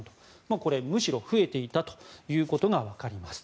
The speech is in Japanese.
これ、むしろ増えていたということがわかります。